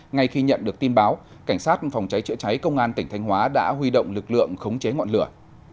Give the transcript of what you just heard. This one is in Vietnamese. ngay khi nhận được tin báo cảnh sát phòng cháy chữa cháy công an tỉnh thanh hóa đã huy động lực lượng khống chế ngọn lửa